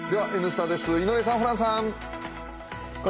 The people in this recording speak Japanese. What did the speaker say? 「Ｎスタ」です、井上さん、ホランさん。